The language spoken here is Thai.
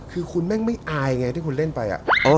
คือคุณแม่งไม่อายไงที่คุณเล่นไป